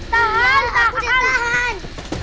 tahan aku di tahan